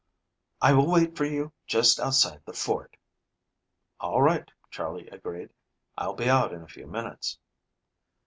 "I will wait for you just outside the fort." "All right," Charley agreed. "I'll be out in a few minutes."